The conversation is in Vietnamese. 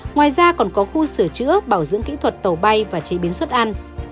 ngoài ra còn có khu sửa chữa bảo dưỡng kỹ thuật tàu bay và chế biến xuất ăn